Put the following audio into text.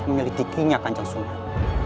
menyelidiki kiniak kanjeng sunan